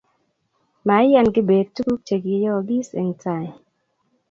Maiyan kibet tuguk chegiyoogiis eng tai